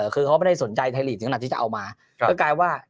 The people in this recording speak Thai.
คือเขาไม่ได้สนใจไทยลีกถึงขนาดที่จะเอามาก็กลายว่า